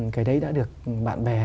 cái đấy đã được bạn bè